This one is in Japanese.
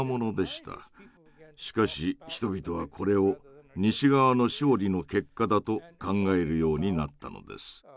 しかし人々はこれを西側の勝利の結果だと考えるようになったのです。